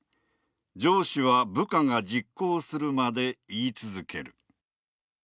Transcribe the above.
上司は部下が実行するまで言い続ける。